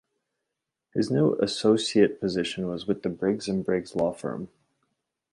His new associate position was with the Briggs and Briggs law firm.